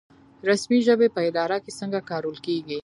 رسمي ژبې په اداره کې څنګه کارول کیږي؟